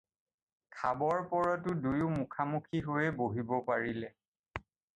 খাবৰ পৰতো দুয়ো মুখা-মুখি হৈহে বহিব পাৰিলে।